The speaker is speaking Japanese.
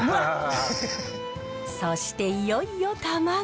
そしていよいよ卵。